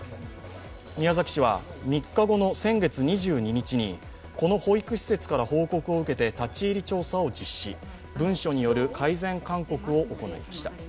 宮崎市は３日後の先月２２日にこの保育施設から報告を受けて立ち入り調査を実施、文書による改善勧告を行いました。